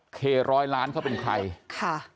เคร้อยล้านเขาเป็นใครค่ะ